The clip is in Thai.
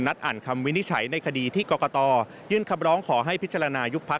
อ่านคำวินิจฉัยในคดีที่กรกตยื่นคำร้องขอให้พิจารณายุบพัก